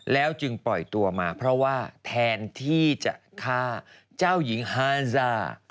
แล้วจึงปล่อยตัวมาเพราะว่าแทนที่จะฆ่าเจ้าหญิงฮานซ่า